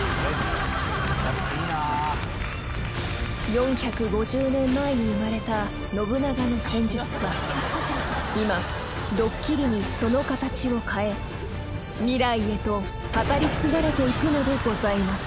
［４５０年前に生まれた信長の戦術が今ドッキリにその形を変え未来へと語り継がれていくのでございます］